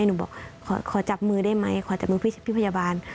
หนูบอกขอจับมือได้ไหมขอจับมือพี่พยาบาล